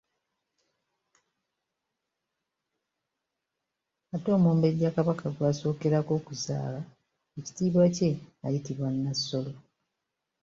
Ate omumbejja kabaka gw'asookerako okuzaala, ekitiibwa kye ayitibwa Nassolo.